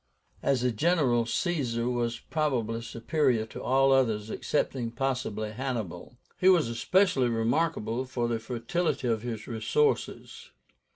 As a general Caesar was probably superior to all others, excepting possibly Hannibal. He was especially remarkable for the fertility of his resources.